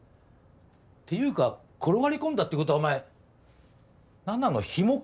っていうか転がり込んだって事はお前菜々のヒモか？